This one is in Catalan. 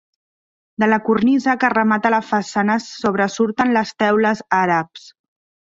De la cornisa que remata la façana sobresurten les teules àrabs.